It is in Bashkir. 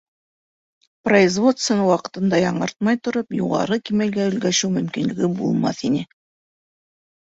Производствоны ваҡытында яңыртмай тороп юғары кимәлгә өлгәшеү мөмкинлеге булмаҫ ине.